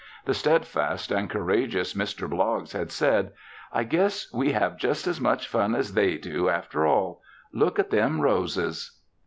The steadfast and courageous Mr. Bloggs had said: "I guess we have just as much fun as they do, after all. Look at them roses."